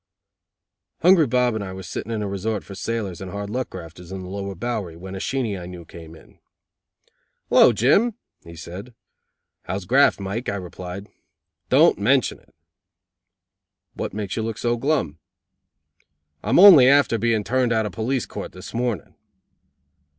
Hungry Bob and I were sitting in a resort for sailors and hard luck grafters in the lower Bowery, when a Sheenie I knew came in. "Hello, Jim," he said. "How's graft, Mike?" I replied. "Don't mention it." "What makes you look so glum?" "I'm only after being turned out of police court this morning."